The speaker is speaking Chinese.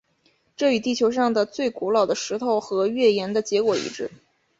这与地球上的最古老的石头和月岩的结果一致。